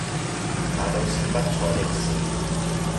那倒是不錯的事